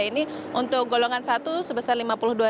ini untuk golongan satu sebesar rp lima puluh dua